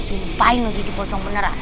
simpain mau jadi pocong beneran